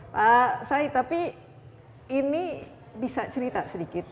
pak said tapi ini bisa cerita sedikit